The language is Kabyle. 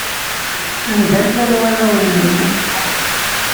Anda llan warraw-nnem?